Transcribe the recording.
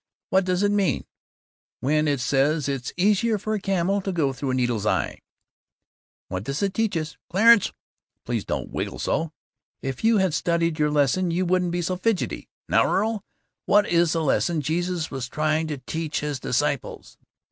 What does it mean when it says it's easier for a camel to go through a needle's eye? What does this teach us? Clarence! Please don't wiggle so! If you had studied your lesson you wouldn't be so fidgety. Now, Earl, what is the lesson Jesus was trying to teach his disciples?